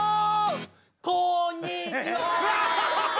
こんにちは！